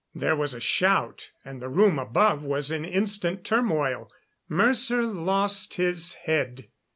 There was a shout, and the room above was in instant turmoil. Mercer lost his head.